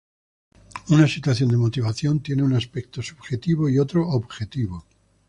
Una situación de motivación tiene un aspecto subjetivo y otro objetivo.